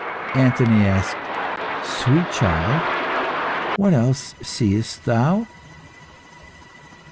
'" Anthony asked "Sweet child, what else seest thou?"